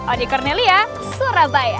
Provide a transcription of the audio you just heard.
odi kornelia surabaya